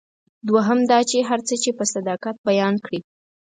دوهم دا چې هر څه یې په صداقت بیان کړي.